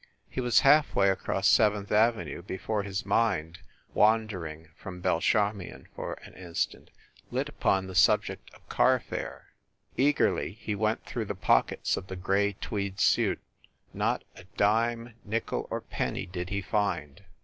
He was half way across Seventh Avenue before his mind, wandering from Belle Charmion for an instant, lit upon the subject of carfare. Eagerly he went through the pockets of the gray tweed suit. Not a dime, nickel or penny did he find.